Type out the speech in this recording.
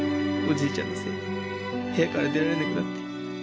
おじいちゃんのせいで部屋から出られなくなって。